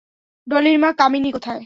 ডলির মা কামিনী কোথায়?